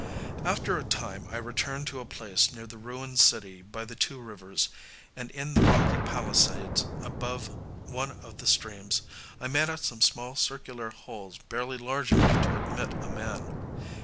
After a time I returned to a place near the ruined city by the two rivers; and in the rocky palisades above one of the streams, I made out some small circular holes barely large enough to admit a man.